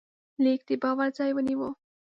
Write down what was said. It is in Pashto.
لیک د باور ځای ونیو.